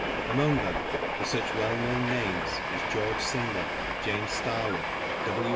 Among them were such well known names as George Singer, James Starley, W.